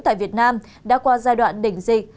tại việt nam đã qua giai đoạn đỉnh dịch